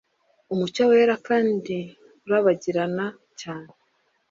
Umucyo wera kandi urabagirana cyane